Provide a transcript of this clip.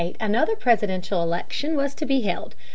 In 1828 another presidential election was to be held.